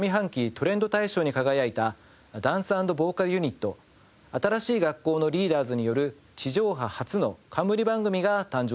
トレンド大賞に輝いたダンス＆ボーカルユニット新しい学校のリーダーズによる地上波初の冠番組が誕生します。